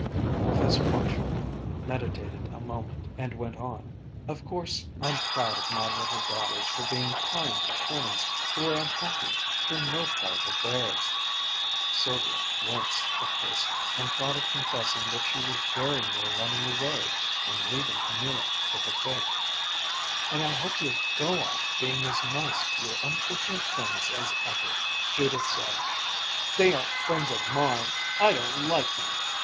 Professor Marshall meditated a moment, and went on, "Of course I'm proud of my little daughters for being kind to friends who are unhappy through no fault of theirs" (Sylvia winced at this, and thought of confessing that she was very near running away and leaving Camilla to her fate), "and I hope you'll go on being as nice to your unfortunate friends as ever " Judith said: "They aren't friends of mine! I don't like them!"